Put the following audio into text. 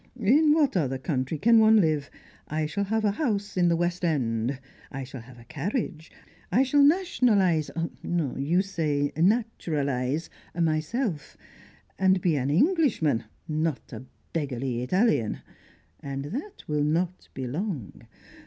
In what other country can one live? I shall have a house in the West End; I shall have a carriage; I shall nationalise you say naturalise? myself, and be an Englishman, not a beggarly Italian. And that will not be long.